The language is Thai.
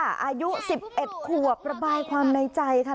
อายุ๑๑ขวบระบายความในใจค่ะ